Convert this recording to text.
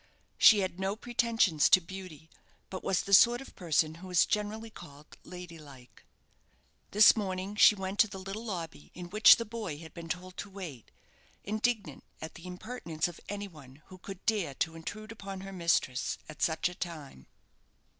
She had no pretensions to beauty; but was the sort of person who is generally called lady like. This morning she went to the little lobby, in which the boy had been told to wait, indignant at the impertinence of anyone who could dare to intrude upon her mistress at such a time.